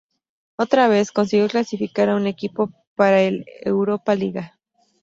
Otra vez, consiguió clasificar a un equipo para el Europa Liga.